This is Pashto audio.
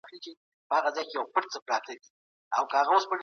ایا ته د ښه لیکوال نوم اخیستلی شې؟